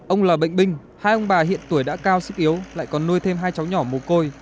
ông là bệnh binh hai ông bà hiện tuổi đã cao sức yếu lại còn nuôi thêm hai cháu nhỏ mồ côi